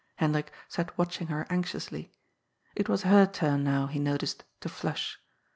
Hendrik sat watching her anxiously. It was her turn now, he noticed, to flush.